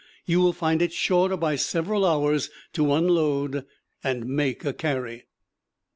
You will find it shorter by several hours to unload and make a carry.